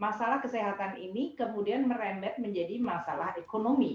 masalah kesehatan ini kemudian merembet menjadi masalah ekonomi